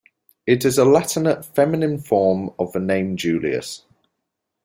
It is a Latinate feminine form of the name Julius.